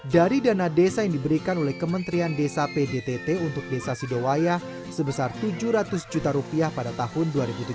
dari dana desa yang diberikan oleh kementerian desa pdtt untuk desa sidowaya sebesar tujuh ratus juta rupiah pada tahun dua ribu tujuh belas